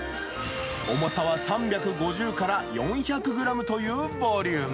重さは３５０から４００グラムというボリューム。